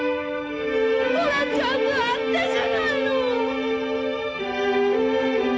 ほらちゃんとあったじゃないの。